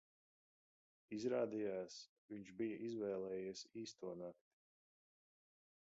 Izrādījās, viņš bija izvēlējies īsto nakti.